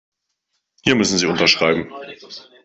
Hier müssen Sie unterschreiben.